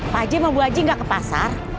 pak haji sama bu haji gak ke pasar